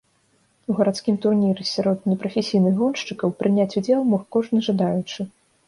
У гарадскім турніры сярод непрафесійных гоншчыкаў прыняць удзел мог кожны жадаючы.